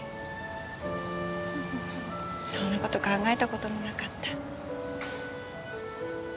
そんなこと考えたこともなかった。